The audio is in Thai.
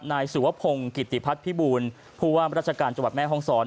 นายสิวพงศ์จีฟตี้พัทธ์พิบูรณ์ผู้ว่าราชการจังหวัดแม่ฮ่องศร